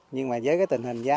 nhưng với tình hình giá